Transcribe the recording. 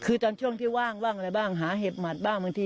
คือตอนช่วงที่ว่างบ้างอะไรบ้างหาเห็บหมัดบ้างบางที